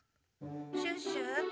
シュッシュ